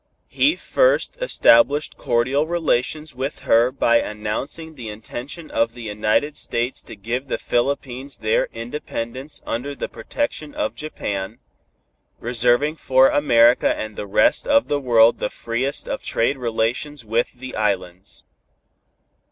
He first established cordial relations with her by announcing the intention of the United States to give the Philippines their independence under the protection of Japan, reserving for America and the rest of the world the freest of trade relations with the Islands.